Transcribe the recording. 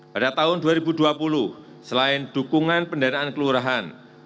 pada tahun dua ribu dua puluh selain dukungan pendanaan kelurahan